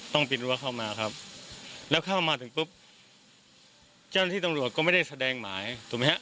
ปีนรั้วเข้ามาครับแล้วเข้ามาถึงปุ๊บเจ้าหน้าที่ตำรวจก็ไม่ได้แสดงหมายถูกไหมฮะ